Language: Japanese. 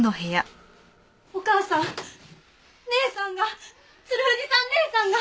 おかあさん姉さんが鶴藤さん姉さんが！